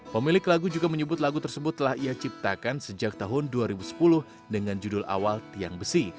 pemilik lagu juga menyebut lagu tersebut telah ia ciptakan sejak tahun dua ribu sepuluh dengan judul awal tiang besi